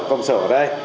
tới công sở ở đây